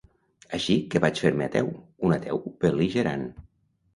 Així que vaig fer-me ateu, un ateu bel·ligerant.